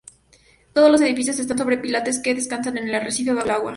Todos los edificios están sobre pilotes que descansan en el arrecife bajo el agua.